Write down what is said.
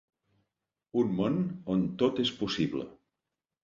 Un món on tot és possible.